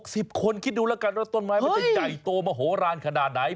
สิบคนคิดดูแล้วกันว่าต้นไม้มันจะใหญ่โตมโหลานขนาดไหน